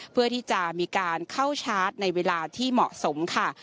เพื่อที่จะมีการเข้าชาร์จในเวลาที่เหมาะสมค่ะ